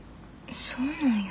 そうなんや。